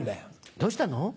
どうしたの？